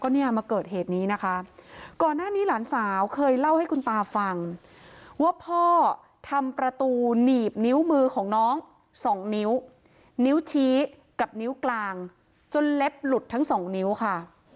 ก็ทำประตูหนีบนิ้วมือของน้องสองนิ้วนิ้วชี้กับนิ้วกลางจนเล็บหลุดทั้งสองนิ้วค่ะ